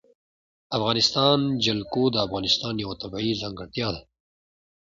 د افغانستان جلکو د افغانستان یوه طبیعي ځانګړتیا ده.